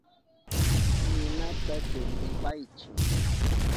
Ninata chuntipaychi.